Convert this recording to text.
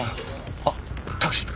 あっタクシー。